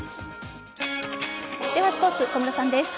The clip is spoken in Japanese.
ではスポーツ、小室さんです。